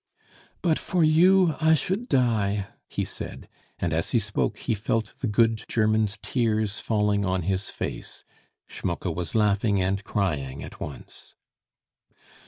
"But for you, I should die," he said, and as he spoke he felt the good German's tears falling on his face. Schmucke was laughing and crying at once.